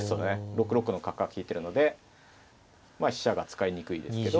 ６六の角が利いてるので飛車が使いにくいですけど。